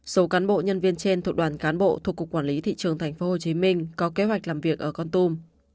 số cán bộ nhân viên trên thuộc đoàn cán bộ thuộc cục quản lý thị trường tp hcm có kế hoạch làm việc ở con tum